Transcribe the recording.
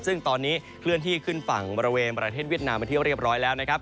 ซึ่งตอนนี้เคลื่อนที่ขึ้นฝั่งบริเวณประเทศเวียดนามเป็นที่เรียบร้อยแล้วนะครับ